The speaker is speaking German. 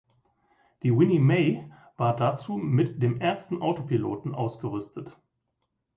Die „Winnie Mae“ war dazu mit dem ersten Autopiloten ausgerüstet.